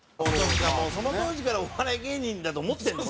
その当時からお笑い芸人だと思ってるもんね